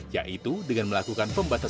yaitu dengan melakukan pembatasan